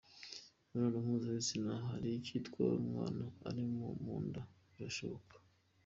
Imibonano mpuzabitsina hari icyo itwara umwana uri mu nda? Birashoboka